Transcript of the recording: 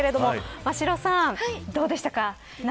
マシロさん、どうでしたか。